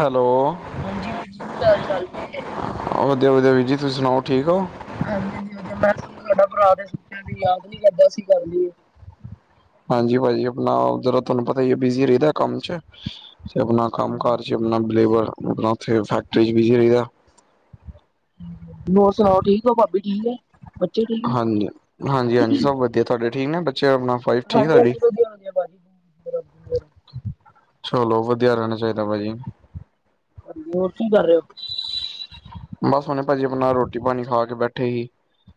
Hello. ਹਾਂਜੀ ਵੀਰ ਜੀ ਕੀ ਹਾਲ ਚਾਲ ਜੀ ਵਧੀਆ-ਵਧੀਆ ਵੀਰ ਜੀ। ਤੁਸੀਂ ਸੁਣਾਓ ਠੀਕ ਹੋ? ਹਾਂਜੀ-ਹਾਂਜੀ। ਵਧੀਆ ਮੈਂ ' [unintelligible] ' ਤੁਹਾਡਾ ਭਰਾ ਤੇ ਸੋਚਿਆ ਵੀ ਯਾਦ ਨੀ ਕਰਦਾ ਸੀ। ਅਸੀਂ ਕਰ ਲਈਏ। ਹਾਂਜੀ, ਭਾਜੀ ਆਪਣਾ ਜ਼ਰਾ ਤੁਹਾਨੂੰ ਪਤਾ ਹੀ। ਬਿਜ਼ੀ ਰਹਿੰਦਾ ਕੰਮ 'ਚ'। ਤੇ ਆਪਣਾ ਕੰਮ-ਕਾਰ 'ਚ' ਆਪਣਾ ਲੇਬਰ ਆਪਣਾ ਉੱਥੇ ਫੈਕਟਰੀ 'ਚ' ਬਿਜੀ ਰਹੀ ਦਾ। ਹੋਰ ਸੁਣਾਓ? ਠੀਕ ਹੋ, ਭਾਬੀ ਠੀਕ ਏ। ਹਾਂਜੀ, ਹਾਂਜੀ-ਹਾਂਜੀ ਸਭ ਵਧੀਆ ਤੁਹਾਡੇ ਠੀਕ ਨੇ ਬੱਚੇ ਆਪਣਾ ਵਾਈਫ ਠੀਕ ਤੁਹਾਡੀ ਹਾਂਜੀ-ਹਾਂਜੀ ਵਧੀਆ ਹੋ ਗਿਆ ਭਾਜੀ' ' [unintelligible] ਚਲੋ ਵਧੀਆ ਰਹਿਣਾ ਚਾਹੀਦਾ ਭਾਜੀ। ਹੋਰ ਕੀ ਕਰ ਰਹੇ ਹੋ? ਬੱਸ ਹੁਣੇ ਭਾਜੀ ਆਪਣਾ ਰੋਟੀ ਪਾਣੀ ਖਾ ਕੇ ਬੈਠੇ ਹੀ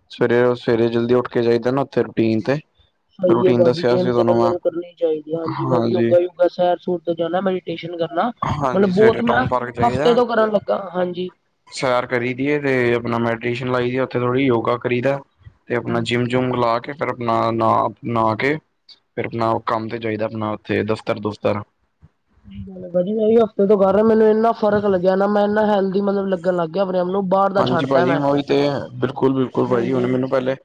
ਸਵੇਰੇ-ਸਵੇਰੇ ਜਲਦੀ ਉੱਠ ਕੇ ਜਾਈਦਾ ਨਾ। ਉੱਥੇ ਟੀਨ ਤੇ ਸਹੀ ਏ ਰੂਟੀਨ ਬਾਜੀ ਦੱਸਿਆ ਸੀ ਜਿੰਮ ਤੇ ਤੁਹਾਨੂੰ ਬੰਦੇ ਮੈਂ ਨੂੰ ਕਰਨੀ ਚਾਹੀਦੀ ਆ। ਹਾਂਜੀ ਮੈਂ ਵੀ ਯੋਗਾ-ਯੋਗਾ, ਸੈਰ-ਸੂਰ ਤੇ ਜਾਣਾ ਮੈਡੀਟੇਸ਼ਨ ਕਰਨਾ। ਹਾਂਜੀ ਮਤਲਬ ਬਹੁਤ ਸਵੇਰੇ ਮੈਂ ਟਾਊਨ ਪਾਰਕ ਜਾਈਦਾ ਹਫ਼ਤੇ ਤੋਂ ਕਰਨ ਲੱਗਾ। ਹਾਂਜੀ ਸੈਰ ਕਰੀ ਦੀਏ ਤੇ ਆਪਣਾ ਮੈਡੀਟੇਸ਼ਨ ਲਾਈ ਦੀ ਆ। ਉੱਥੇ ਥੋੜੀ ਯੋਗਾ ਕਰੀ ਦਾ ਤੇ ਆਪਣਾ ਜਿੰਮ ਯਮ ਲਾ ਕੇ, ਫਿਰ ਆਪਣਾ ਨ ਨਾ ਕੇ ਫਿਰ ਆਪਣਾ ਉਹ ਕੰਮ ਤੇ ਜਾਈਦਾ ਆਪਣਾ ਉੱਥੇ ਦਫਤਰ ਦੁਫਤਰ। ਹਫ਼ਤੇ ਤੋਂ ਕਰ ਮੈਨੂੰ ਇੰਨਾ ਫ਼ਰਕ ਲੱਗਿਆ ਨਾ। ਮੈਂ ਇੰਨਾ ਹੈਲਦੀ ਮਤਲਬ ਲੱਗ ਗਿਆ ਆਪਣੇ‌ ਆਪ ਨੂੰ ਬਾਹਰ ਦਾ ਹਾਂਜੀ ਛੱਡਤਾ ਭਾਜੀ ਮੈਂ ਮੈਂਵੀ ਤੇ ਐ ਬਿਲਕੁਲ-ਬਿਲਕੁਲ ਭਾਜੀ ਹਾਂਜੀ ਹੁਣ ਪਹਿਲੇ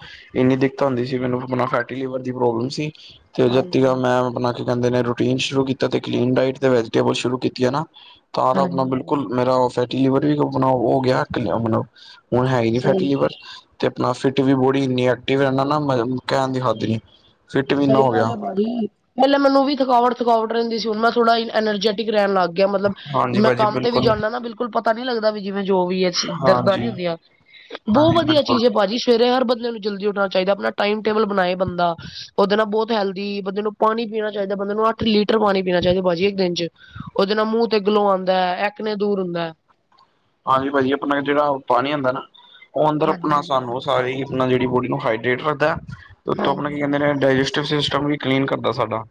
ਇੰਨੀ ਦਿੱਕਤਾਂ ਹੁੰਦੀ ਸੀ। ਮੈਨੂੰ ਆਪਣਾ ਫੈਟੀ ਲਿਵਰ ਦੀ ਪ੍ਰੋਬਲਮ ਸੀ ਤੇ ਜਤੀ ਹਾਂਜੀ ਮੈਂ ਆਪਣਾ ਕਹਿਦੇ ਨੇ ਰੂਟੀਨ ਸ਼ੁਰੂ ਕੀਤਾ ਤੇ ਕਲੀਨ ਡਾਈਟ ਤੇ ਵੈਜੀਟੇਬਲ ਸ਼ੁਰੂ ਕੀਤੀ ਐ ਨਾ। ਤਾਂ-ਤਾਂ ਆਪਣਾ ਹਾਂਜੀ ਬਿਲਕੁਲ ਮੇਰਾ ਫੈਟੀ ਲੀਵਰ ਵੀ ਆਪਣਾ ਹੋ ਗਿਆ। ਹੁਣ ਹੈਅ ਨੀ ਸਹੀ ਫੈਟੀ ਲੀਵਰ। ਤੇ ਆਪਣਾ ਫਿਟ ਵੀ ਬੋਡੀ ਇੰਨੀ ਐਕਟਿਵ ਰਹਿੰਦਾ ਕਹਿਣ ਦੀ ਹੱਦ ਨੀ। ਫਿਟ ਮਹੀਨਾ ਹੋ ਗਿਆ ਪਹਿਲੇ ਮੈਨੂੰ ਵੀ ਥਕਾਵਟ-ਥਕਾਵਟ ਰਹਿੰਦੀ ਸੀ। ਹੁਣ ਮੈਂ ਥੋੜਾ ਅਨਰਜੈਟ ਠੀਕ ਰਹਿਣ ਲੱਗ ਗਿਆ ਮਤਲਬ ਹਾਂਜੀ ਮੈਂ ਭਾਜੀ ਕੰਮ ਤੇ ਵੀ ਬਿਲਕੁਲ ਜਾਂਨਾ ਨਾ ਬਿਲਕੁਲ ਪਤਾ ਨੀ ਲੱਗਦਾ ਵੀ ਜਿਵੇਂ ਜੋ ਵੀ ਐ ਦਰਦਾਂ ਨੀ ਹਾਂਜੀ-ਹਾਂਜੀ ਹੁੰਦੀਆਂ ਬਹੁਤ ਵਧੀਆ ਬਿਲਕੁਲ ਚੀਜ਼ ਐ ਭਾਜੀ। ਸਵੇਰੇ ਹਰ ਬੰਦੇ ਨੂੰ ਜਲਦੀ ਉੱਠਣਾ ਚਾਹੀਦਾ। ਆਪਣਾ ਟਾਈਮ-ਟੇਬਲ ਬਣਾਏ ਬੰਦਾ। ਓਦੇ ਨਾਲ ਬਹੁਤ ਹੈਲਦੀ ਬੰਦੇ ਨੂੰ ਪਾਣੀ ਪੀਣਾ ਚਾਹੀਦਾ। ਬੰਦੇ ਨੂੰ ਅੱਠ ਲੀਟਰ ਪਾਣੀ ਪੀਣਾ ਚਾਹੀਦਾ ਬਾਜੀ ਇੱਕ ਦਿਨ ਚ। ਉਹਦੇ ਨਾਲ ਮੂੰਹ ਤੇ ਗਲੋ ਆਂਦਾ ਐ ਐਕਨੇ ਦੂਰ ਹੁੰਦਾ। ਹਾਂਜੀ ਭਾਜੀ ਆਪਣਾ ਜਿਹੜਾ ਪਾਣੀ ਆਦਾ ਨਾ। ਉਹ ਅੰਦਰ ਹਾਂਜੀ ਆਪਣਾ ਹਾਂਜੀ ਸਾਨੂੰ ਸਾਰੇ ਹੀ ਆਪਣਾ ਜਿਹੜੀ ਬੋਡੀ ਨੂੰ ਹਾਈਡਰੇਟ ਰੱਖਦਾ ਐ। ਤੇ ਉੱਥੋਂ ਆਪਣਾ ਕੀ ਹਾਂਜੀ ਕਹਿੰਦੇ ਨੇ। ਡਾਇਜਸਟਿਵ ਸਿਸਟਮ ਵੀ ਕਲੀਨ ਕਰਦਾ ਸਾਡਾ।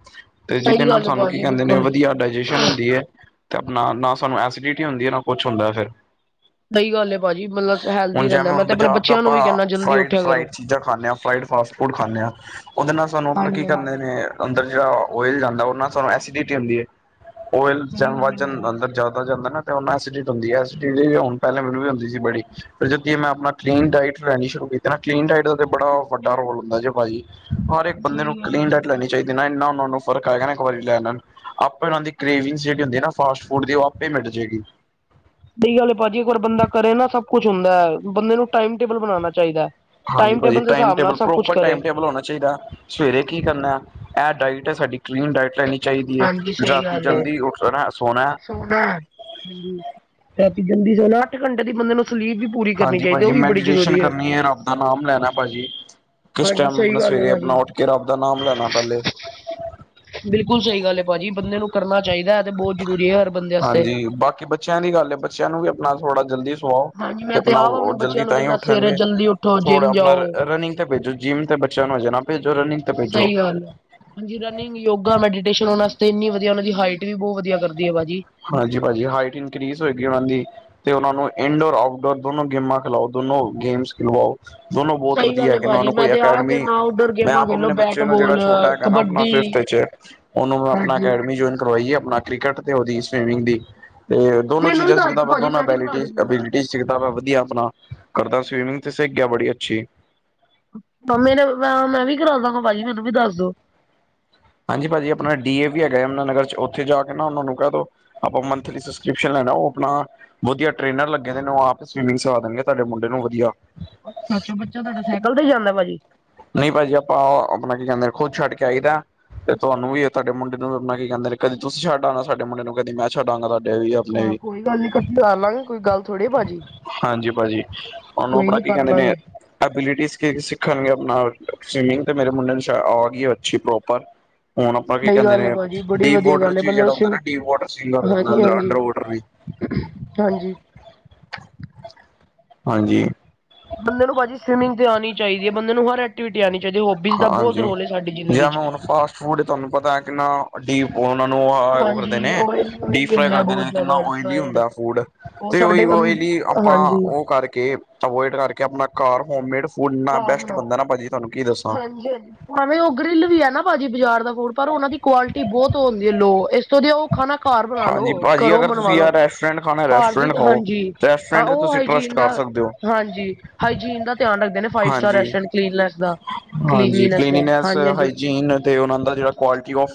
ਤੇ ਜਿਹਦੇ ਸਹੀ ਨਾਲ ਗੱਲ ਹੈ ਸਾਨੂੰ ਕੀ ਭਾਜੀ ਕਹਿੰਦੇ ਨੇ ਬਿਲਕੁਲ ਵਧੀਆ ਡਾਇਜੈਸ਼ਨ ਹੁੰਦੀ ਐ। ਤੇ ਆਪਣਾ ਨਾ ਸਾਨੂੰ ਐਸੀਡਿਟੀ ਹੁੰਦੀ ਐ, ਨਾ ਕੁਛ ਹੁੰਦਾ ਫਿਰ। ਦਹੀ ਗੱਲ ਐ। ਹੁਣ ਜਿਵੇਂ ਹੁਣ ਬਾਜ਼ਾਰ ਦਾ ਨੂੰ ਆਪਾਂ ਵੀ ਕਹਿੰਦਾ ਜਲਦੀ ਉੱਠਿਆ ਕਰੋ ਫਰਾਈਡ-ਫਰਾਈਡ ਚੀਜ਼ਾਂ ਖਾਂਦੇ ਆਂ। ਫਰਾਈਡ ਫਾਸਟ ਫੂਡ ਖਾਣੇ ਆਂ। ਉਹਦੇ ਨਾਲ ਸਾਨੂੰ ਆਪਣਾ ਹਾਂਜੀ ਕੀ ਹਾਂਜੀ ਕਰਨੇ ਨੇ ਅੰਦਰ ਜਿਹੜਾ ਓਇਲ ਜਾਂਦਾ ਉਹਦੇ ਨਾਲ ਸਾਨੂੰ ਐਸੀਡਿਟੀ ਹੁੰਦੀ ਏ। ਓਇਲ ਸਹੀ ਜਾਵਾ ਗੱਲ ਹੈ ਭਾਜੀ, ਅੰਦਰ ਜਿਆਦਾ ਜਾਂਦਾ ਨਾ ਓਹਦੇ ਨਾਲ ਐਸੀਡਿਟੀ ਹੁੰਦੀ ਐ। ਮੈਨੂੰ ਵੀ ਹੁੰਦੀ ਸੀ ਬੜੀ। ਫਿਰ ਜਿਵੇਂ ਮੈਂ ਆਪਣਾ ਕਲੀਨ ਡਾਇਟ ਲੈਣੀ ਸ਼ੁਰੂ ਕੀਤਾ ਨਾ। ਕਲੀਨ ਡਾਇਟ ਦਾ ਤੇ ਬੜਾ ਵੱਡਾ ਰੋਲ ਹੁੰਦਾ ਭਾਂਜੀ। ਹਰ ਇੱਕ ਬੰਦੇ ਸਹੀ ਨੂੰ ਗੱਲ ਹੈ ਕਲੀਨ ਡਾਈਟ ਭਾਜੀ। ਲੈਣੀ ਚਾਹੀਦੀ ਨਾ ਇੰਨਾ ਮੰਨ ਲਓ ਫਰਕ ਹੈਗਾ ਨਾ ਇੱਕ ਵਾਰੀ ਲੈਣ ਨਾਲ। ਆਪੇ ਉਹਨਾਂ ਦੀ ਗ੍ਰੇਵਿੰਗ ਸੀਟ ਹੁੰਦੀ ਨਾ ਫਾਸਟ ਫੂਡ ਦੀ ਉਹ ਆਪੇ ਮਿਟ ਜੇ ਗੀ। ਸਹੀ ਗੱਲ ਐ ਭਾਜੀ ਇੱਕ ਵਾਰ ਬੰਦਾ ਕਰੇ ਨਾ ਸਭ ਕੁੱਛ ਹੁੰਦਾ ਐ। ਬੰਦੇ ਨੂੰ ਟਾਈਮ-ਟੇਬਲ ਬਣਾਣਾ ਚਾਹੀਦਾ ਐ। ਹਾਂਜੀ ਭਾਂਜੀ। ਟਾਈਮ-ਟੇਬਲ ਪ੍ਰੋਪਰ ਟਾਈਮ-ਟੇਬਲ ਹੋਣਾ ਚਾਹੀਦਾ। ਸਵੇਰੇ ਕੀ ਕਰਨਾ ਐ ਡਾਇਟ ਏ ਸਾਡੀ ਕਲੀਨ ਡਾਇਟ ਲੈਨੀ ਚਾਹੀਦੀ ਐ ਹਾਂਜੀ ਸਹੀ ਰਾਤੀਂ ਗੱਲ ਹੈ, ਜਲਦੀ ਉੱਠਣਾ-ਸੋਣਾ। ਸੋਣਾ ਹਾਂਜੀ ਰਾਤੀਂ ਜਲਦੀ ਸੋਣਾ ਅੱਠ ਘੰਟੇ ਦੀ ਬੰਦੇ ਨੂੰ ਸਲੀਫ ਵੀ। ਪੂਰੀ ਕਰਨੀ ਹਾਂਜੀ ਚਾਹੀਦੀ, ਭਾਜੀ, ਉਹ ਵੀ ਬੜੀ ਮੈਡੀਟੇਸ਼ਨ ਜ਼ਰੂਰੀ ਹੈ। ਕਰਨੀ ਐ ਰੱਬ ਦਾ ਨਾਮ ਲੈਣਾ ਭਾਜੀ। ਕਿਸ ਹਾਂਜੀ ਟਾਈਮ ਸਹੀ ਆਪਣਾ ਗੱਲ ਹੈ ਸਵੇਰੇ ਭਾਜੀ। ਆਪਣਾ ਉੱਠ ਕੇ ਰੱਬ ਦਾ ਨਾਮ ਲੈਣਾ ਪਹਿਲੇ। ਬਿਲਕੁਲ ਸਹੀ ਗੱਲ ਐ ਭਾਜੀ। ਬੰਦੇ ਨੂੰ ਕਰਨਾ ਚਾਹੀਦਾ ਐ ਤੇ ਬਹੁਤ ਜ਼ਰੂਰੀ ਐ। ਹਾਂਜੀ, ਬਾਕੀ ਬੱਚਿਆਂ ਦੀ ਗੱਲ ਐ। ਬੱਚਿਆਂ ਨੂੰ ਵੀ ਆਪਣਾ ਥੋੜਾ ਜਲਦੀ ਸੁਵਾਓ ਹਾਂਜੀ ਤੇ ਮੈਂ ਆਪਣਾ ਆਪ ਹੋ ਆਪਣੇ ਜਲਦੀ ਬੱਚਿਆਂ ਨੂੰ ਤਾਂ ਹੀ ਕਹਿੰਦਾ ਸਵੇਰੇ ਉੱਠਣਗੇ ਜਲਦੀ ਉੱਠੋ, ਥੋੜਾ ਜਿੰਮ ਆਪਣਾ ਜਾਓ। ਰਨਿੰਗ ਤੇ ਭੇਜੋ। ਜਿੰਮ ਤੇ ਬੱਚਿਆਂ ਨੂੰ ਹਜੇ ਨਾ ਭੇਜੋ, ਰਨਿੰਗ ਤੇ ਭੇਜੋ। ਸਹੀ ਗੱਲ ਹੈ। ਹਾਂਜੀ ਰਨਿੰਗ, ਯੋਗਾ, ਮੈਡੀਟੇਸ਼ਨ ਉਹਨਾਂ ਵਾਤੇ ਇੰਨੀ ਵਧੀਆ ਉਹਨਾਂ ਦੀ ਹਾਈਟ ਵੀ ਬਹੁਤ ਵਧੀਆ ਕਰਦੀ ਏ ਭਾਜੀ। ਹਾਂਜੀ ਭਾਜੀ। ਹਾਈਟ ਇਨਕਰੀਜ਼ ਹੋਏਗੀ ਉਹਨਾਂ ਦੀ ਤੇ ਉਹਨਾਂ ਨੂੰ ਇਨਡੋਰ, ਆਊਟਡੋਰ ਦੋਨੋ ਗੇਮਾ ਚ ਲਾਓ ਦੋਨੋ ਗੇਮਸ ਖਿਲਵਾਓ। ਦੋਨੋ ਬਹੁਤ ਸਹੀ ਵਧੀਆ ਗੱਲ ਹੈ ਹੈਗੇ ਉਹ ਭਾਜੀ ਨੂੰ ਮੈਂ ਕੋਈ ਤੇ ਆਪ ਅਕੈਡਮੀ। ਕਹਿੰਦਾ ਆਊਟਡੋਰ ਮੈਂ ਗੇਮਾਂ ਆਪ ਖੇਲੋ ਆਪਣੇ ਬੱਚੇ ਨੂੰ ਜਿਹੜਾ ਬੈਟਬੋਲ, ਛੋਟਾ ਆਪਣਾ ਕਬੱਡੀ ਫਿਫਥ ਚ। ਉਹਨੂੰ ਮੈਂ ਆਪਣਾ ਹਾਂਜੀ ਅਕੈਡਮੀ ਜੁਆਇਨ ਕਰਵਾਈਏ ਆਪਣਾ ਕ੍ਰਿਕਟ ਤੇ ਉਹਦੀ ਸਵਮਿੰਗ ਦੀ ਤੇ ਦੋਨੋ ਮੈਨੂੰ ਵੀ ਚੀਜ਼ਾਂ ਸਹੀ। ਦੱਸ ਦੋ ਭਾਜੀ ਮੈਂ ਵੀ ਕਰਾ ਦਿੰਦਾ। ਸਿੱਖਦਾ ਵਾ ਵਧੀਆ ਆਪਣਾ ਕਰਦਾ ਸਵੀਮਿੰਗ ਤੇ ਸਿੱਖ ਗਿਆ ਬੜੀ ਅੱਛੀ। ਹ ਮੇਰੇ ਮ ਮੈਂ ਵੀ ਕਰਾਦਾਵਾ ਭਾਜੀ ਮੈਨੂੰ ਵੀ ਦੱਸ ਦੋ। ਹਾਂਜੀ ਭਾਜੀ ਆਪਣਾ ਡੀ ਏ ਵੀ ਹੈਗਾ ਆਹਿਮਦਾ ਨਗਰ ਚ ਉੱਥੇ ਜਾ ਕੇ ਨਾ ਉਹਨਾਂ ਨੂੰ ਕਹਿ ਦੋ। ਆਪਾਂ ਮੈਥਲੀ ਸਬਸਕ੍ਰਿਪਸ਼ਨ ਲੈਣਾ ਉਹ ਆਪਣਾ‌ ਵਧੀਆ ਟ੍ਰੇਨਰ ਲੱਗੇ ਨੇ ਉਹ ਆਪ ਸਵੀਮਿੰਗ ਸਿਖਾ ਦੇਣਗੇ ਤੁਹਾਡੇ ਮੁੰਡੇ ਨੂੰ ਵਧੀਆ। ਅੱਛਾ-ਅੱਛਾ। ਬੱਚਾ ਤੁਹਾਡਾ ਸਾਈਕਲ ਤੇ ਜਾਂਦਾ ਭਾਜੀ। ਨਹੀਂ ਭਾਜੀ ਆਪਾਂ ਓ ਆਪਣਾ ਕੀ ਕਹਿੰਦੇ ਖੁਦ ਛੱਡ ਕੇ ਆਈ ਦਾ। ਤੇ ਤੁਹਾਨੂੰ ਵੀ ਇਹ ਤੁਹਾਡੇ ਮੁੰਡੇ ਨੂੰ ਆਪਣਾ ਕੀ ਕਹਿੰਦੇ ਨੇ ਕਦੀ ਤੁਸੀਂ ਛੱਡ ਆਣਾ ਸਾਡੇ ਮੁੰਡੇ ਨੂੰ ਕਦੀ ਮੈਂ ਛੱਡ ਆਵਾਂਗਾ। ਹਾਂ ਕੋਈ ਗੱਲ ਨੀ ਕੱਠ ਕਰ ਲਾਂਗੇ ਕੋਈ ਗੱਲ ਥੋੜੀ ਆ ਭਾਜੀ। ਹਾਂਜੀ ਭਾਜੀ ਉਹਨੂੰ ਕੋਈ ਆਪਣਾ ਨੀ ਕੀ ਕਰ ਕਹਿੰਦੇ ਨੇ, ਲਾਂਗੇ। ਅਬਿਲਿਟੀ ਸਿੱਖਾਂਗੇ ਨਾ ਸਵੀਮਿੰਗ ਤੇ ਮੇਰੇ ਮੁੰਡੇ ਨੂੰ ਛਾ ਆ ਗੀ ਅੱਛੀ ਪ੍ਰੋਪਰ। ਹੁਣ ਆਪਾਂ ਕੀ ਸਹੀ ਕਹਿੰਦੇ ਗੱਲ ਹੈ ਨੇ ਭਾਜੀ ਬੜੀ ਡੀ ਵਧੀਆ ਵਾਟਰ ਗੱਲ ਹੈ ਚ ਵੀ ਬੰਦੇ ਜਿਹੜਾ ਹੁੰਦਾ ਨੂੰ ਨਾ ਡੀ ਵਾਟਰ, ਹਾਂਜੀ ਹਾਂਜੀ ਅੰਡਰ ਵਾਟਰ ਵੀ। ਹਾਂਜੀ। ਹਾਂਜੀ। ਬੰਦੇ ਨੂੰ ਭਾਜੀ ਸਵਿਮਿੰਗ ਤੇ ਆਣੀ ਚਾਹੀਦੀ ਏ। ਬੰਦੇ ਨੂੰ ਹਰ ਐਕੀਟੀਵਿਟੀਜ ਆਣੀ ਚਾਹੀਦੀ ਹੋਬੀਜ਼ ਦਾ ਬਹੁਤ ਹਾਂਜੀ। ਰੋਲ ਏ ਸਾਡੀ ਜ਼ਿੰਦਗੀ ਜਾਂ 'ਚ। ਮੈਂ ਹੁਣ ਫਾਸਟ ਫੂਡ ਤਹਨੂੰ ਪਤਾ ਹੈ ਕਿੰਨਾ ਡੀਪ ਫੋ ਉਹਨਾਂ ਓ ਹਾਂਜੀ ਕਰਦੇ ਨੇ ਓਇਲੀ ਡੀਪ ਓਇਲੀ ਫਰਾਈ ਹੁੰਦਾ ਕਰਦੇ ਬਹੁਤ ਨੇ ਕਿੰਨਾ ਜ਼ਿਆਦਾ ਓਔਲੀ ਰਿਫਾਇੰਡ ਹੁੰਦਾ ਫੂਡ। ਉਹ ਤੇ ਸਾਡੇ ਉਹੀ ਉਲਈ ਲਈ ਆਪਾਂ ਹਾਂਜੀ ਉਹ ਕਰਕੇ ਅਵੋਇਡ ਕਰਕੇ ਆਪਣਾ ਘਰ ਹੋਮੇਡ ਫੂਡ ਨਾ ਆਪਣਾ ਘਰ ਬੈਸਟ ਬਣਾਓ ਬਣਦਾ ਨਾ ਭਾਜੀ ਤੁਹਾਨੂੰ ਕੀ ਦੱਸਾਂ। ਹਾਂਜੀ- ਹਾਂਜੀ ਭਾਵੇਂ ਉਹ ਗਰਿੱਲ ਵੀ ਆ ਨਾ ਭਾਜੀ ਬਾਜ਼ਾਰ ਦਾ ਫੂਡ ਪਰ ਉਹਨਾ ਦੀ ਕੁਆਲਿਟੀ ਬਹੁਤ ਹੁੰਦੀ ਓ ਲੋ। ਇਸ ਕਦੀ ਉਹ ਖਾਣਾ ਘਰ ਬਣਾ ਲੋ, ਹਾਂਜੀ ਭਾਜੀ ਘਰੋ ਅਗਰ ਤੁਸੀਂ ਬਨਵਾਲੋ, ਯਾਰ ਰੈਸਟੋਰੈਂਟ ਖਾਣਾ ਘਰ ਦੀ ਰੈਸਟੋਰੈਂਟ ਖਾਓ ਹਾਂਜੀ। ਹਾਂ ਰੈਸਟੋਰੈਂਟ ਤੇ ਉਹ ਤੁਸੀਂ ਟਰੱਸਟ ਹਾਈਜੀਨ ਦਾ ਕਰ ਸਕਦੇ ਹੋ ਹਾਂਜੀ, ਹਾਈਜੀਨ ਦਾ ਧਿਆਨ ਰੱਖਦੇ ਨੇ। ਹਾਂਜੀ ਹਾਂਜੀ-ਹਾਂਜੀ। ਇਹਨਾ ਤੇ ਉਹਨਾਂ ਦਾ ਜਿਹੜਾ ਕੁਆਲਟੀ ਔਫ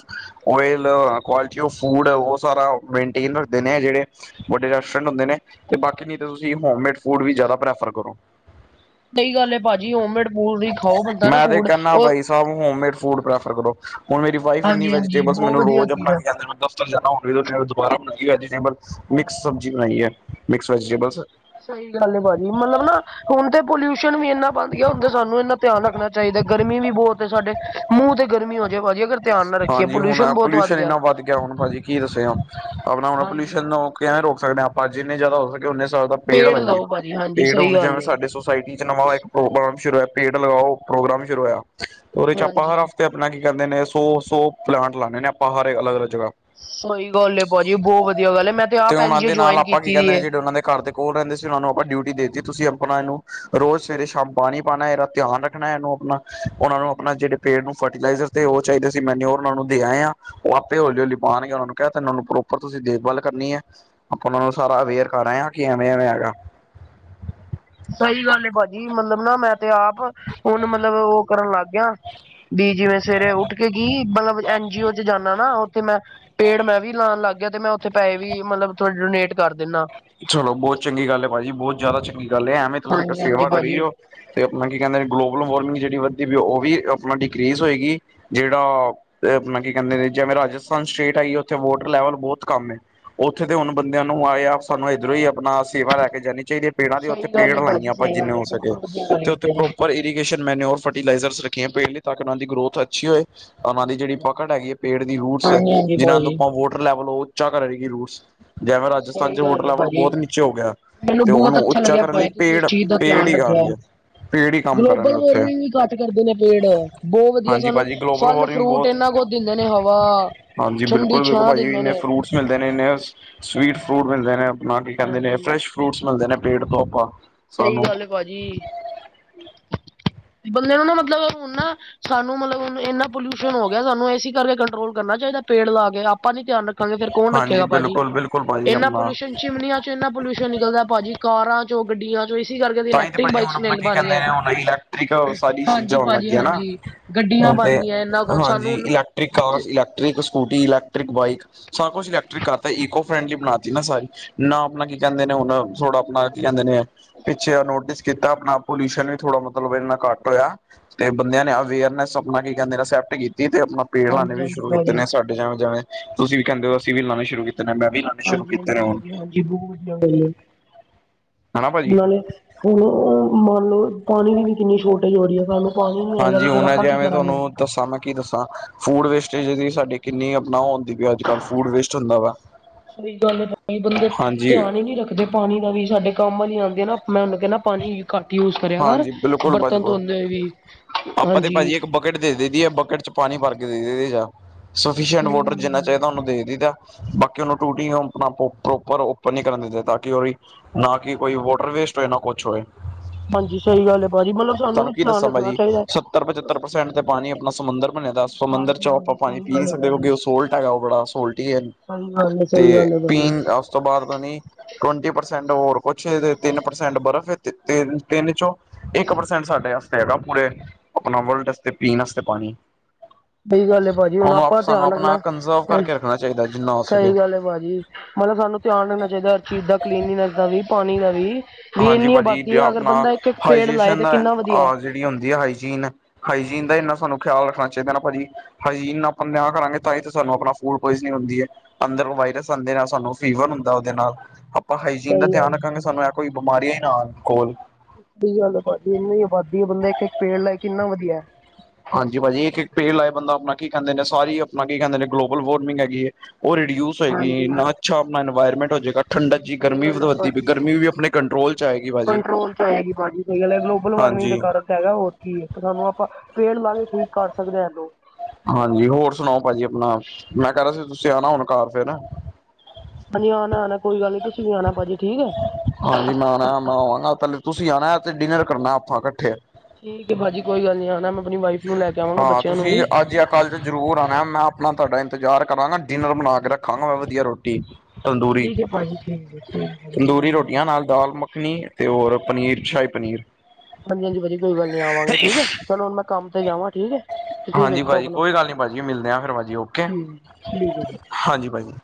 ਓਇਲ ਕੁਆਲ- ਤੇ ਉਹ ਫੂਡ ਏ ਬਹੁਤ ਸਾਰਾ ਮੇਨਟੇਨ ਰੱਖਦੇ ਨੇ ਜਿਹੜੇ ਵੱਡੇ ਰੈਸਟੋਰੈਟ ਹੁੰਦੇ ਨੇ ਬਾਕੀ ਨੀ ਤੁਸੀ ਹੋਮਮੇਡ ਫੂਡ ਵੀ ਜਿਆਦਾ ਪ੍ਰੈਫਰ ਕਰੋ। [inaudible] ਹੈ ਭਾਜੀ ਹੋਮਮੇਡ ਫੂਡ ਹੀ ਖਾਓ ਬੰਦਾ ਨਾ ਮੈਂ ਤੇ ਫੂਡ ਕਹਿਨਾ ਉਹ ਬਾਈ ਸਾਬ ਹੋਮਮੇਡ ਫੂਡ ਪ੍ਰੈਫਰ ਕਰੋ। ਹੁਣ ਮੇਰੀ ਵਾਈਫ ਇੰਨੀ ਹਾਂਜੀ ਵੈਜੀਟੇਬ ਹਾਂਜੀ ਬਸ ਬਹੁਤ ਮੈਨੂੰ ਵਧੀਆ ਰੋਜ਼ ਚੀਜ਼ ਆ ਆਪਣਾ ਦਫਤਰ ਜਾਣਾ ਹੋਵੇ ਦੁਬਾਰਾ ਬਣਾਈ ਵੈਜੀਟੇਬਲ ਮਿਕਸ ਸਬਜ਼ੀ ਬਣਾਈ ਐ ਮਿਕਸ ਵੈਜੀਟੇਬਲਸ। ਸਹੀ ਗੱਲ ਆ ਭਾਜੀ ਮਤਲਬ ਨਾ ਹੁਣ ਤੇ ਪੋਲਿਊਸ਼ਨ ਵੀ ਇੰਨਾ ਵਧ ਗਿਆ ਹੁੰਦਾ ਸਾਨੂੰ ਧਿਆਨ ਰੱਖਣਾ ਚਾਹੀਦਾ ਗਰਮੀ ਵੀ ਬਹੁਤ ਏ ਸਾਡੇ। ਮੂੰਹ ਤੇ ਗਰਮੀ ਹੋ ਜਾਏ ਭਾਜੀ ਅਗਰ ਧਿਆਨ ਨਾ ਰੱਖੀਏ ਹਾਂਜੀ ਹੁਣ ਬਹੁਤ ਪੋਲਿਊਸ਼ਨ ਇੰਨਾ ਵੱਧ ਗਿਆ ਹੁਣ ਭਾਜੀ ਕੀ ਦੱਸਿਆ ਆਪਣਾ ਹੋ ਹੁਣ ਹਾਂਜੀ ਪੋਲਿਊਸ਼ਨ ਕਿਵੇਂ ਰੋਕ ਸਕਦੇ ਹਾਂ ਆਪਾਂ ਜਿੰਨੇ ਜ਼ਿਆਦਾ ਹੋ ਸਕੇ ਉਨੇ ਸਾਰੇ ਪੇੜ ਲਾਈਏ ਲਾਓ ਭਾਜੀ ਹਾਂਜੀ ਪੇੜ ਸਹੀ ਹੁਣ ਜਿਵੇਂ ਗੱਲ ਹੈ ਸਾਡੀ ਸੁਸਾਇਟੀ ਨਵਾਂ ਇੱਕ ਪ੍ਰੋਗਰਾਮ ਸ਼ੁਰੂ ਹੋਇਆ ਪੇਡ ਲਗਾਓ, ਪ੍ਰੋਗਰਾਮ ਸ਼ੁਰੂ ਹੋਇਆ ਤੇ ਉਹਦੇ ਚ ਆਪਾਂ ਹਰ ਹਾਂਜੀ ਹਫਤੇ ਆਪਣਾ ਕੀ ਕਹਿੰਦੇ ਨੇ ਸੌ-ਸੌ ਪਲਾਂਟ ਲਾਣੇ ਨੇ ਆਪਾਂ ਹਰ ਅਲੱਗ-ਅਲੱਗ ਜਗ੍ਹਾ। ਸਹੀ ਗੱਲ ਏ ਭਾਜੀ। ਬਹੁਤ ਵਧੀਆ ਗੱਲ ਏ ਮੈਂ ਤੇ ਆਪ ਐਨ ਉਹਨਾਂ ਜੀ ਏ ਦੇ ਨਾਲ ਜੁਆਇਨ ਆਪਾਂ ਕੀ ਕੀਤੀ ਵੀ ਕਹਿੰਦੇ ਨੇ ਐ। ਜਿਹੜੇ ਤੇ ਉਹਨਾਂ ਦੇ ਘਰ ਦੇ ਕੋਲ ਰਹਿੰਦੇ ਸੀ ਨੂੰ ਆਪਾਂ ਡਿਊਟੀ ਦੇਤੀ ਤੁਸੀਂ ਆਪਣਾ ਇਹਨੂੰ ਰੋਜ਼ ਸਵੇਰੇ-ਸ਼ਾਮ ਪਾਣੀ ਪਾਂਣਾ ਏ, ਇਹਦਾ ਰੱਖਣਾ ਇਹਨੂੰ ਆਪਣਾ। ਉਹਨਾਂ ਨੂੰ ਆਪਣਾ ਜਿਹੜੇ ਪੇੜ ਨੂੰ ਫਰਟੀਲਾਈਜ਼ਰ ਤੇ ਉਹ ਚਾਹੀਦੇ ਸੀ ਮੈਨਰ ਉਹ ਨੂੰ ਦੇ ਆਏ ਆ। ਉਹ ਆਪੇ ਹੌਲੀ-ਹੌਲੀ ਪਾਣਗੇ ਉਹਨਾ ਨੂੰ ਕਿਹਾ ਤਾਂ ਉਹਨਾਂ ਨੂੰ ਪ੍ਰੋਪਰ ਤੁਸੀਂ ਦੇਖਭਾਲ ਕਰਨੀ ਐ। ਆਪਾਂ ਉਹਨਾਂ ਨੂੰ ਸਾਰਾ ਅਵੇਅਰ ਕਰ ਆਏ ਆ ਕਿ ਐਵੇਂ-ਐਵੇਂ ਹੈਗਾ। ਸਹੀ ਗੱਲ ਏ ਭਾਜੀ, ਮਤਲਬ ਨਾ ਮੈਂ ਤੇ ਆਪ ਹੁਣ ਮਤਲਬ ਉਹ ਕਰਨ ਲੱਗ ਗਿਆ। ਵੀ ਜਿਵੇਂ ਸਵੇਰੇ ਉੱਠ ਕੇ ਕੀ ਮਤਲਬ ਐਨਜੀਓ ਚ ਜਾਣਾ ਨਾ। ਤੇ ਮੈਂ ਪੇੜ ਮੈਂ ਵੀ ਨਾਲ ਲੱਗ ਗਿਆ, ਤੇ ਮੈਂ ਉੱਥੇ ਪੈਸੇ ਵੀ ਮਤਲਬ ਥੋੜ੍ਹੇ ਡੋਨੇਟ ਕਰ ਦਿਨਾ। ਚੱਲੋ, ਬਹੁਤ ਚੰਗੀ ਗੱਲ ਏ ਭਾਜੀ ਬਹੁਤ ਜ਼ਿਆਦਾ ਚੰਗੀ ਗੱਲ ਐ, ਐਵੇਂ ਤੁਸੀਂ ਤਾਂ ਹਾਂਜੀ ਹਾਂਜੀ ਸੇਵਾ ਕਰੀ ਭਾਜੀ। ਜਾਓ। ਤੇ ਆਪਣਾ ਕੀ ਕਹਿੰਦੇ ਗਲੋਬਲ ਵਾਰਮਿੰਗ ਜਿਹੜੀ ਵੱਧਦੀ ਪਈ ਉਹ ਵੀ ਆਪਣਾ ਡਿਕਰੀਜ਼ ਹੋਏਗੀ। ਜਿਹੜਾ ਏ ਆਪਣਾ ਕੀ ਕਹਿੰਦੇ ਨੇ ਜਿਵੇਂ ਰਾਜਸਥਾਨ ਸਟੇਟ ਆਈ ਆ ਉੱਥੇ ਵੋਟਰ ਲੈਵਲ ਬਹੁਤ ਕੰਮ ਐ। ਉੱਥੇ ਦੇ ਹੁਣ ਬੰਦਿਆਂ ਨੂੰ ਆਏ ਆਪ ਸਾਨੂੰ ਇਧਰੋਂ ਹੀ ਆਪਣਾ ਸੇਵਾ ਲੈ ਕੇ ਜਾਣੀ ਚਾਹੀਦੀ ਏ। ਪੇੜਾਂ ਦੇ ਉੱਥੇ ਸਹੀ ਗੱਲ ਪੇੜ ਏ ਲਾਈਆਂ, ਭਾਜੀ ਆਪਾਂ ਸਹੀ ਜਿੰਨੇ ਗੱਲ ਏ ਹੋ ਸਕੇ ਬਿਲਕੁਲ ਵਧੀਆ ਗੱਲ ਤੇ ਉੱਥੇ ਕੀਤੀ ਤੁਸੀਂ ਪ੍ਰੋਪਰ ੲ ਇਰੀਗੇਸ਼ਨ ਮੈਨੇਉਰ ਫਰਟੀਲਾਈਜ਼ਰ ਰੱਖੀਆਂ ਪੇੜ ਲਈ ਤਾਂ ਕਿ ਉਹਨਾਂ ਦੀ ਗਰੋਥ ਅੱਛੀ ਹੋਏ। ਉਹਨਾਂ ਦੀ ਜਿਹੜੀ ਪਕੜ ਹੈਗੀ ਏ ਪੇੜ ਦੀ ਰੂਟਸ ਹਾਂਜੀ ਹਾਂਜੀ ਜਿਹਨਾਂ ਨੂੰ ਭਾਜੀ। ਆਪਾਂ ਵੋਟਰ ਲੈਵਲ ਉਹ ਉੱਚਾ ਕਰੇਗੀ ਰੂਸ ਜੈਵੇੈਂ ਰਾਜਸਥਾਨ ਚ ਸਹੀ ਵੋਟਰ ਗੱਲ ਏ ਲੈਵਲ ਭਾਜੀ। ਬਹੁਤ ਨੀਚੇ ਹੋ ਗਿਆ ਮੈਨੂੰ ਤੇ ਬਹੁਤ ਉਹਨੂੰ ਅੱਛਾ ਉੱਚਾ ਲੱਗਿਆ ਕਰਨ ਲਈ ਭਾਜੀ ਤੁਸੀਂ ਇਸ ਚੀਜ਼ ਦਾ ਪੇੜ-ਪੇੜ ਧਿਆਨ ਹੀ ਕਰਨ ਰੱਖਿਆ। ਗਿਆ। ਗਲੋਬਲ ਵਾਰਨਿੰਗ ਵੀ ਘੱਟ ਕਰਦੇ ਨੇ ਪੇੜ ਬਹੁਤ ਵਧੀਆ ਹਾਂਜੀ ਸਾਨੂੰ ਭਾਜੀ ਗਲੋਬਲ ਵਾਰਮਿੰਗ ਫਲ-ਫਰੂਟ ਬਹੁਤ ਇੰਨਾ ਕੁਝ ਦਿੰਦੇ ਨੇ ਹਵਾ। ਹਾਂਜੀ, ਠੰਡੀ ਬਿਲਕੁਲ ਵੇਖੋ ਛਾਂ ਭਾਜੀ ਦਿੰਦੇ ਇੰਨੇ ਨੇ। ਫਰੂਟਸ ਮਿਲ ਦੇ ਨੇ ਸਵੀਟ ਫਰੂਟ ਮਿਲਦੇ ਨੇ ਆਪ ਕੀ ਕਹਿੰਦੇ ਨੇ ਹਾਂਜੀ, ਫਰੈਸ਼ ਫਰੂਟਸ ਮਿਲਦੇ ਨੇ ਪੇਟ ਤੋਂ ਆਪਾਂ ਸਹੀ ਸਾਨੂੰ ਗੱਲ ਏ ਭਾਜੀ ਬੰਦੇ ਨੂੰ ਨਾ ਮਤਲਬ ਹੁਣ ਨਾ ਸਾਨੂੰ ਮਤਲਬ ਇੰਨਾ ਪੋਲਿਊਸ਼ਨ ਹੋ ਗਿਆ। ਸਾਨੂੰ ਏਸੀ ਕਰਕੇ ਕੰਟਰੋਲ ਕਰਨਾ ਚਾਹੀਦਾ ਪੇੜ ਲਾ ਕੇ ਆਪਾਂ ਨੀ ਧਿਆਨ ਰੱਖ ਰੱਖਾਂਗੇ ਫੇਰ ਕੌਣ ਰੱਖੇ ਹਾਂਜੀ ਗਾਂ ਭਾਜੀ, ਬਿਲਕੁਲ ਬਿਲਕੁਲ ਭਾਜੀ ਇੰਨਾ ਆਪਣਾ ਪੋਲਿਊਸ਼ਨ ਚਿਮ ਨ ਚ ਇੰਨਾ ਪੋਲਿਊਸ਼ਨ ਨਿਕਲਦਾ ਭਾਜੀ ਕਾਰਾਂ ਚੋਂ ਗੱਡੀਆਂ ਚ ਤਾਂ ਈ ਤੇ ਭਾਜੀ ਹੁਣ ਆਪਣਾ ਕੀ ਕਹਿੰਦੇ ਨੇ, ਹੁਣ ਇਲੈਕਟ੍ਰਿਕ ਸਾਰੀ ਹਾਂਜੀ ਚੀਜ਼ਾਂ ਹੋਣ ਭਾਜੀ ਲੱਗੀਆਂ ਨਾ। ਹਾਂਜੀ ਗੱਡੀਆਂ ਹੁਣ ਬਣ ਤੇ ਗਈਆਂ ਇੰਨਾ ਕੁਛ ਸਾਨੂੰ ਹਾਂਜੀ ਹੁਣ electric cars, electric scooty, electric bike. ਸਾਰਾ ਕੁਛ ਇਲੈਕਟ੍ਰਿਕ ਕਰਤਾ ਈਗੋ ਫਰੈਂਡਲੀ ਬਣਾ ਤੀ ਨਾ ਸਾਰੀ ਨਾ ਆਪਣਾ ਕੀ ਕਹਿੰਦੇ ਨੇ ਹੁਣ, ਥੋੜ੍ਹਾ ਆਪਣਾ ਕੀ ਕਹਿੰਦੇ ਨੇ ਪਿੱਛੇ ਆ ਨੋਟਿਸ ਕੀਤਾ ਆਪਣਾ ਪੋਲਿਊਸ਼ਨ ਵੀ ਥੋੜਾ ਮਤਲਬ ਇਨ੍ਹਾਂ ਘੱਟ ਹੋਇਆ। ਤੇ ਬੰਦਿਆਂ ਨੇ ਅਵੇਅਰਨੈਸ ਆਪਣਾ ਕੀ ਕਹਿੰਦੇ ਐਸੈਪਟ ਕੀਤੀ ਤੇ ਆਪਣਾ ਪੇੜ ਲਾਣੇ ਹਾਂਜੀ ਵੀ ਹਾਂਜੀ ਸ਼ੁਰੂ ਕੀਤੇ ਭਾਜੀ ਨੇ ਸਾਡੇ ਜਾ ਜਵੇ-ਜਵੇ ਤੁਸੀਂ ਵੀ ਕਹਿੰਦੇ ਹੋ ਅਸੀਂ ਵੀ ਲਾਉਣੇ ਸ਼ੁਰੂ ਕੀਤੇ ਨੇ ਮੈਂ ਵੀ ਸ਼ੁਰੂ ਕੀਤੇ ਹਾਂਜੀ-ਹਾਂਜੀ, ਨੇ ਹੁਣ ਵਧੀਆ ਹਾਂਜੀ ਬਹੁਤ ਵਧੀਆ ਉਹਨਾਂ ਹਨਾ ਭਾਜੀ ਨੇ ਹੁਣ ਉਹ ਮੰਨ ਲਉ, ਪਾਣੀ ਦੀ ਵੀ ਕਿੰਨੀ ਸ਼ੋਰਟੇਜ ਹੋ ਰਹੀ ਏ। ਸਾਨੂੰ ਪਾਣੀ ਨੀ ਹੈਏਗਾ ਤੇ ਹਾਂਜੀ ਫੇਰ ਹੁਣ ਆਪਾਂ ਕੀ ਜਿਵੇਂ ਕਰਾਂਗੇ। ਤੁਹਾਨੂੰ ਦੱਸਾਂ ਮੈਂ ਕੀ ਦੱਸਾਂ ਫੂਡ ਵੇਸਟੇਜ ਦੀ ਸਾਡੀ ਕਿੰਨੀ ਅਪਣਾਓ ਹੁੰਦੀ ਵੀ ਅੱਜ-ਕੱਲ੍ਹ ਫੂਡ ਵੇਸਟ ਹੁੰਦਾ ਵਾ। ਸਹੀ ਗੱਲ [unintelligible] ਬੰਦੇ ਹਾਂਜੀ ਧਿਆਨ ਈ ਨਹੀਂ ਰੱਖ ਦੇ ਪਾਣੀ ਦਾ ਵੀ ਸਾਡੇ ਕੰਮ ਵਾਲੀ ਆਉਂਦੀ ਆ ਨਾ, ਮੈਂ ਉਹਨੂੰ ਕਹਿੰਦਾ ਪਾਣੀ ਘੱਟ ਯੂਜ ਕਰਿਆ ਕਰ ਹਾਂਜੀ ਬਿਲਕੁਲ ਬਰਤਨ ਬਿਲਕੁਲ ਧੋਦੇ ਹੋ ਵੀ, ਹਾਂਜੀ ਕਿੱਟ ਦੇ ਦਈ ਦੀ ਐ, ਬਕਟ ਚ ਪਾਣੀ ਭਰ ਕੇ ਦੇ- ਦੇ ਦਈ ਸਫੀਸ਼ਟ ਸਹੀ ਵੋਟਰ ਗੱਲ ਹੈ ਜਿੰਨਾ ਭਾਜੀ ਚਾਹੀਦਾ ਉਹਨੂੰ ਦੇ ਦੇਈ ਦਾ। ਬਾਕੀ ਉਹਨੂੰ ਟੂਟੀ ਆਪਣਾ ਪ੍ਰੋਪਰ ਓਪਰ ਨੀ ਕਰਨ ਦਿੰਦੇ ਤਾਂ ਕਿ ਉਹ ਦੀ ਨਾ ਕਿ ਕੋਈ ਵੋਟਰ ਵੇਸਟ ਹੋਏ ਨਾ ਕੁਛ ਹੋਏ। ਹਾਂਜੀ ਸਹੀ ਗੱਲ ਹੈ ਭਾਜੀ ਮਤਲਬ ਸਾਨੂੰ ਤੁਹਾਨੂੰ ਕੀ ਧਿਆਨ ਦੱਸਾਂ ਰੱਖਣਾ ਭਾਜੀ ਚਾਹੀਦਾ ਸੱਤਰ-ਪਚੱਤਰ ਪ੍ਰਸੈਂਟ ਤੇ ਪਾਣੀ ਆਪਣਾ ਸਮੁੰਦਰ ਬਣਿਆ ਦਾ ਦੱ ਸਮੁੰਦਰ ਹਾਂਜੀ ਚੋਂ ਆਪਾਂ ਹਾਂਜੀ ਪਾਣੀ ਸਹੀ ਪੀ ਨਹੀ ਗੱਲ ਹੈ ਸਕਦੇ, ਭਾਜੀ ਕਿਉਂਕਿ ਉਹ ਸੋਲਟ ਹੈਗਾ ਉਹ ਬੜਾ ਸੋਲਟ ਹੀ ਏ। ਸਹੀ ਗੱਲ ਹੈ ਸਹੀ ਤੇ ਗੱਲ ਹੈ ਭਾਜੀ ਪੀਣ ਅ ਤੋਂ ਬਾਅਦ ਬਣੀ ਟਵੰਟੀ ਪਰਸੈਂਟ ਹੋਰ ਕੁਛ ਤਿੰਨ ਪ੍ਰਸੈਂਟ ਬਰਫ਼ ਤ ਤੇ ਤਿੰਨ ਚੋਂ ਇੱਕ ਪਰਸੈਂਟ ਸਾਡੇ ਵਾਸਤੇ ਹੈਗਾ ਪੂਰੇ। ਆਪਣਾ ਵਰਲਡਸਤੇ ਪੀਣ ਵਾਸਤੇ ਪਾਣੀ। ਸਹੀ ਗੱਲ ਐ ਭਾਜੀ, ਹੁਣ ਉਹਨੂੰ ਆਪਾਂ ਸਾਨੂੰ ਧਿਆਨ ਆਪਣਾ ਰੱਖਣਾਂ ਕੰਜ਼ਰਵ ਕਰਕੇ ਰੱਖਣਾ ਚਾਹੀਦਾ ਜਿੰਨਾ ਹੋ ਸਕੇ ਸਹੀ ਗੱਲ ਐ ਭਾਜੀ। ਮਤਲਬ ਸਾਨੂੰ ਧਿਆਨ ਰੱਖਣਾ ਚਾਹੀਦਾ ਹਰ ਚੀਜ਼ ਦਾ ਕਲੀਨਨੈਸ ਦਾ ਵੀ, ਪਾਣੀ ਦਾ ਵੀ ਵੀ ਹਾਂਜੀ ਇੰਨੀ ਭਾਜੀ ਆਬਾਦੀ ਆ ਅਗਰ ਆਪਣਾ ਬੰਦਾ ਇੱਕ-ਇੱਕ ਪੇੜ ਲਾਏ ਤੇ ਹਾਈਜੇਸ਼ਨ ਕਿੰਨਾ ਵਧੀਆ। ਜਿਹੜੀ ਹੁੰਦੀ ਆ ਹਾਈਜੀਨ, ਹਾਈਜੀਨ ਦਾ ਇੰਨਾ ਸਾਨੂੰ ਖਿਆਲ ਰੱਖਣਾ ਚਾਹੀਦਾ ਨਾ ਭਾਜੀ ਹਾਈਜੀਨ ਆਪਾਂ ਨਿਆਂਹ ਕਰਾਂਗੇ। ਤਾਂ ਹੀ ਤਾਂ ਸਾਨੂੰ ਆਪ ਫੂਡ ਪੋਇਜਨਿੰਗ ਹੁੰਦੀ ਐ। ਅੰਦਰ ਵਾਇਰਸ ਆਂਦੇ ਨਾਲ ਸਾਨੂੰ ਫੀਵਰ ਹੁੰ ਉਹਦੇ ਨਾਲ ਆਪਾਂ ਹਾਈਜੀਨ ਦਾ ਸਹੀ ਧਿਆਨ ਗੱਲ ਰੱਖਾਂਗੇ। ਸਾਨੂੰ ਇਹ ਕੋਈ ਬਿਮਾਰੀਆਂ ਹੀ ਨਾ ਕੋਲ। ਸਹੀ ਗੱਲ ਆ ਭਾਜੀ ਆਬਾਦੀ ਨੀ ਆਬਾਦੀ ਬੰਦਾ ਇੱਕ-ਇੱਕ ਪੇੜ ਲੈ ਕੇ ਕਿੰਨਾ ਵਧੀਆ। ਹਾਂਜੀ ਭਾਜੀ, ਇੱਕ-ਇੱਕ ਪੇੜ ਲਾਏ ਬੰਦਾ ਆਪਣਾ ਕੀ ਕਹਿੰਦੇ ਨੇ ਸਾਰੀ ਆਪਣਾ ਕੀ ਕਹਿੰਦੇ ਨੇ ਗਲੋਬਲ ਵਾਰਮਿੰਗ ਹੈਗੀ ਐ। ਉਹ ਰਿਡਿਊਸ ਹੋਏਗੀ ਹਾਂਜੀ ਇੰਨਾ ਅੱਛਾ ਆਪਣਾ ਇਨਵਾਇਰਮੈਂਟ ਹੋ ਜਾਵੇਗਾ। ਠੰਡਾ ਜੀ ਸਹੀ ਗਰਮੀ ਗੱਲ ਹੈ ਵਧਦੀ ਭਾਜੀ ਗਰਮੀ ਵੀ ਆਪਣੇ ਕੰਟਰੋਲ 'ਚ' ਆਏਗੀ। ਭਾਜੀ। ਕੰਟਰੋਲ 'ਚ' ਆਏਗੀ ਗਲੋਬਲ ਵਾਰਮਿੰਗ ਦੇ ਹਾਂਜੀ। ਕਾਰਨ ਹੈਗਾ ਹੋਰ ਕੀ ਐ, ਪਰ ਸਾਨੂੰ ਆਪਾਂ ਪੇੜ ਲਾ ਕੇ ਠੀਕ ਕਰ ਸਕਦੇ ਐ ਇਹਨੂੰ ਹਾਂਜੀ, ਹੋਰ ਸੁਣਾਓ ਭਾਜੀ ਆਪਣਾ ਮੈਂ ਕਹਿ ਰਿਹਾ ਸੀ, ਤੁਸੀਂ ਆਣਾ ਹੁਣ ਘਾਰ ਫਿਰ ਹਾਂਜੀ, ਆਣਾ-ਆਣਾ ਕੋਈ ਗੱਲ ਨੀ ਤੁਸੀਂ ਵੀ ਆਣਾ ਭਾਜੀ ਠੀਕ ਐ ਹਾਂਜੀ, ਮੈਂ ਆਣਾ ਮੈਂ ਆਵਾਂਗਾ ਪਹਿਲੇ ਤੁਸੀਂ ਆਣਾ 'ਤੇ ਡਿਨਰ ਕਰਨਾ ਆਪਾਂ ਇਕੱਠੇ ਠੀਕ ਹੈ ਭਾਜੀ, ਕੋਈ ਗੱਲ ਨੀ ਆਣਾ ਮੈਂ ਆਪਣੀ ਵਾਈਫ ਨੂੰ ਲੈ ਕੇ ਆਵਾਂਗਾ ਬੱਚਿਆਂ ਨੂੰ ਵੀ ਕੱਲ 'ਚ' ਜ਼ਰੂਰ ਆਣਾ ਮੈਂ ਆਪਣਾ ਤੁਹਾਡਾ ਇੰਜ਼ਾਰ ਕਰਾਂਗਾ, ਡਿਨਰ ਬਣਾ ਕੇ ਰੱਖਾਂਗਾ ਮੈਂ ਵਧੀਆ ਰੋਟੀ ਤੰਦੂਰੀ- ਠੀਕ ਹੈ ਭਾਜੀ ਠੀਕ ਹੈ ਠੀਕ [inaudible] ਭਾਜੀ ਕੋਈ ਗੱਲ ਤੰਦੂਰੀ ਨੀ ਰੋਟੀਆਂ ਆਵਾਂਗੇ। ਨਾਲ ਦਾਲ ਮੱਖਣੀ 'ਤੇ ਹੋਰ ਪਨੀਰ, ਸ਼ਾਹੀ ਪਨੀਰ ਹਾਂਜੀ-ਹਾਂਜੀ, ਵਧੀਆ ਕੋਈ ਗੱਲ ਨੀ ਆਵਾਂਗੇ ਠੀਕ ਐ, ਚਲੋ ਹੁਣ ਮੈਂ ਕੰਮ ਤੇ ਜਾਵਾਂ ਠੀਕ ਐ। ਹਾਂਜੀ ਭਾਜੀ, ਕੋਈ ਗੱਲ ਨਹੀਂ ਭਾਜੀ ਮਿਲਦੇ ਆ ਫਿਰ ਭਾਜੀ ਓਕੇ, ਠੀਕ ਠੀਕ ਹੈ ਜੀ। ਹਾਂਜੀ ਭਾਜੀ।